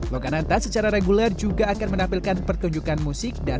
lokananta secara reguler juga akan menampilkan pertunjukan musik dan